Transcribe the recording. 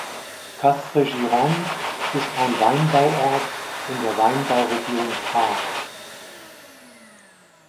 Castres-Gironde ist ein Weinbauort in der Weinbauregion Graves.